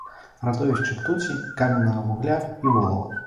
Радовішча ртуці, каменнага вугля і волава.